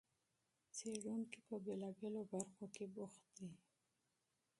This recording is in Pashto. څېړونکي په بېلابېلو برخو کې بوخت دي.